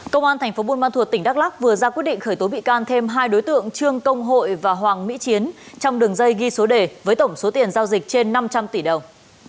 công an thành phố buôn ma thuột tỉnh đắk lắc vừa ra quyết định khởi tố bị can thêm hai đối tượng trương công hội và hoàng mỹ chiến trong đường dây ghi số đề với tổng số tiền giao dịch trên năm trăm linh tỷ đồng